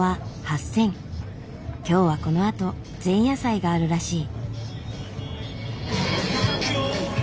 今日はこのあと前夜祭があるらしい。